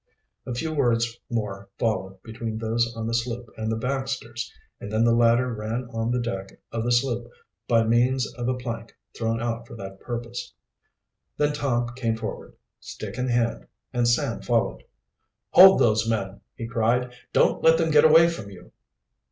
A few words more followed between those on the sloop and the Baxters, and then the latter ran on the deck of the sloop by means of a plank thrown out for that purpose. Then Tom came forward, stick in hand, and Sam followed. "Hold those men!" he cried. "Don't let them get away from you!"